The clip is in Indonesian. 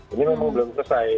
ini memang belum selesai